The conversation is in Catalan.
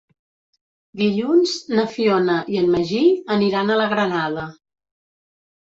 Dilluns na Fiona i en Magí aniran a la Granada.